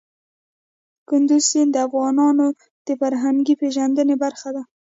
کندز سیند د افغانانو د فرهنګي پیژندنې برخه ده.